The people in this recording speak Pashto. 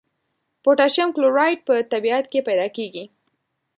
پوتاشیم کلورایډ په طبیعت کې پیداکیږي.